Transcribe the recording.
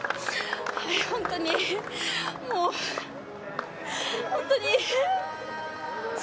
本当にもう本当に。